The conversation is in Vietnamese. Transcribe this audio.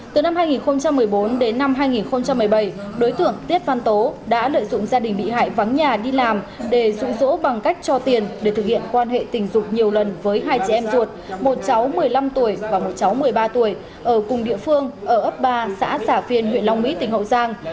từ năm hai nghìn một mươi bốn đến năm hai nghìn một mươi bảy đối tượng tiết văn tố đã lợi dụng gia đình bị hại vắng nhà đi làm để rụ rỗ bằng cách cho tiền để thực hiện quan hệ tình dục nhiều lần với hai trẻ em ruột một cháu một mươi năm tuổi và một cháu một mươi ba tuổi ở cùng địa phương ở ấp ba xã xả viên huyện long mỹ tỉnh hậu giang